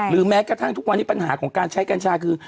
แม้กระทั่งทุกวันนี้ปัญหาของการใช้กัญชาคือ